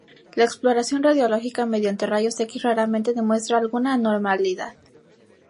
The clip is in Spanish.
La exploración radiológica mediante rayos X raramente demuestra alguna anormalidad.